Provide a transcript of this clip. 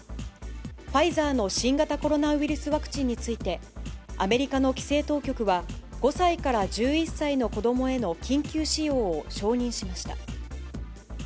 ファイザーの新型コロナウイルスワクチンについて、アメリカの規制当局は、５歳から１１歳の子どもへの緊急使用を承認しました。